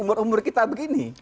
umur umur kita begini